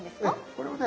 これはね